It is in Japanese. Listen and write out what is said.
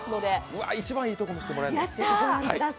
うわ、一番いいとこ見せてもらえるの？